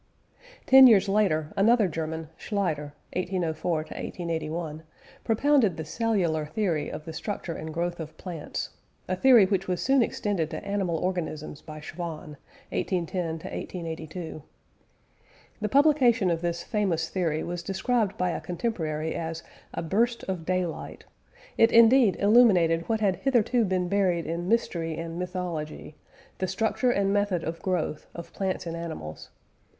" Ten years later another German, Schleider (1804 1881) propounded the cellular theory of the structure and growth of plants, a theory which was soon extended to animal organisms by Schwann (1810 1882). The publication of this famous theory was described by a contemporary as "a burst of daylight"; it indeed illuminated what had hitherto been buried in mystery and mythology the structure and method of growth of plants and animals.